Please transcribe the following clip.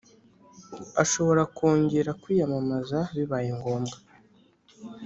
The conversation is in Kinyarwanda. ashobora kongera kwiyamamaza bibaye ngombwa